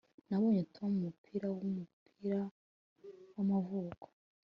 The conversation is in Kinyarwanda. nabonye tom umupira wumupira wamavuko